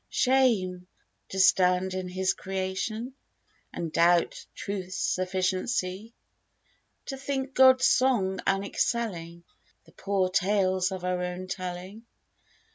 Shame ! to stand in His creation And doubt Truth's sufficiency! To think God's song unexcelling The poor tales of our own telling.